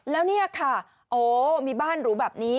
แล้วเนี่ยค่ะโอ้มีบ้านหรูแบบนี้